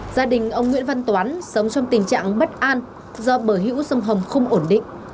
gia đình ông nguyễn văn toán sống trong tình trạng bất an do bờ hữu sông hồng không ổn định